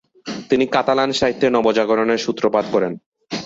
তিনি কাতালান সাহিত্যে নবজাগরণের সূত্রপাত করেন।